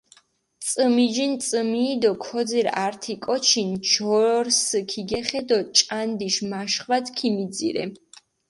წჷმაჯინჷ წჷმიი დო ქოძირჷ, ართი კოჩი ნჯორსჷ ქიგეხენდო ჭანდიში მაშხვათჷ ქიმიძირე.